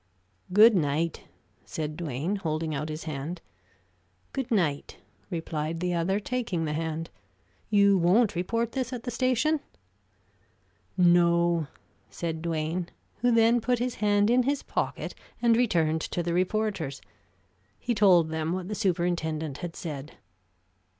"Good night," said Duane, holding out his hand. "Good night," replied the other, taking the hand. "You won't report this at the station?" "No," said Duane, who then put his hand in his pocket and returned to the reporters. He told them what the superintendent had said.